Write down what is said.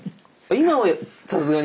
今はさすがに。